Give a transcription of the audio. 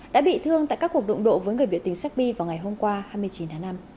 đã bị thương tại các cuộc đụng độ với người biểu tình serbia vào ngày hôm qua hai mươi chín tháng năm